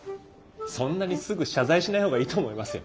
そんなにすぐ謝罪しない方がいいと思いますよ。